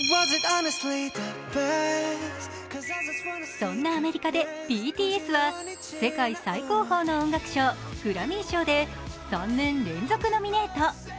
そんなアメリカでＢＴＳは世界最高峰の音楽賞、グラミー賞で３年連続ノミネート。